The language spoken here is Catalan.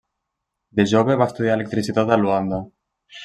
De jove va estudiar electricitat a Luanda.